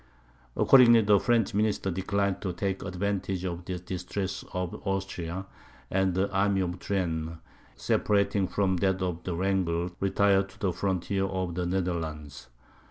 Accordingly, the French minister declined to take advantage of the distresses of Austria; and the army of Turenne, separating from that of Wrangel, retired to the frontiers of the Netherlands.